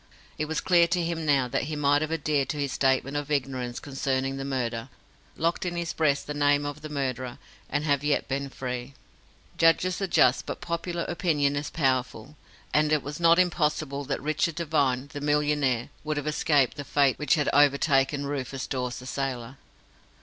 It was clear to him now that he might have adhered to his statement of ignorance concerning the murder, locked in his breast the name of the murderer, and have yet been free. Judges are just, but popular opinion is powerful, and it was not impossible that Richard Devine, the millionaire, would have escaped the fate which had overtaken Rufus Dawes, the sailor.